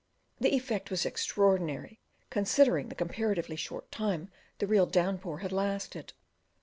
The effect was extraordinary, considering the comparatively short time the real downpour had lasted.